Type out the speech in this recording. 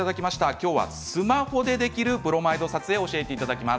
きょうはスマホでできるブロマイド撮影を教えていただきます。